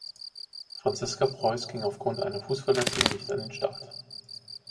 Franziska Preuß ging aufgrund einer Fußverletzung nicht an den Start.